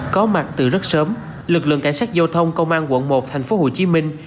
có mặt từ rất sớm lực lượng cảnh sát giao thông công an quận một tp hồ chí minh